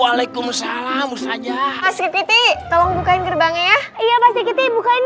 waalaikumsalam saja mas kiti tolong bukain gerbang ya iya pasti kita bukain